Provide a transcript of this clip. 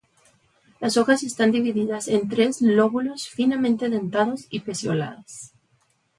Las hojas están divididas en tres lóbulos finamente dentados y pecioladas.